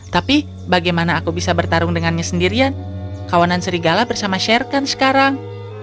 tapi bagaimana aku bisa bertarung dengannya sendirian kawanan serigala bersama sherkan sekarang